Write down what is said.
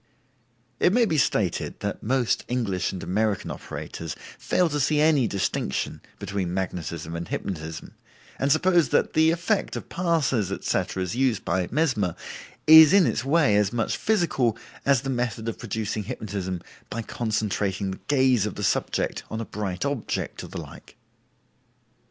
It may be stated that most English and American operators fail to see any distinction between magnetism and hypnotism, and suppose that the effect of passes, etc., as used by Mesmer, is in its way as much physical as the method of producing hypnotism by concentrating the gaze of the subject on a bright object, or the like.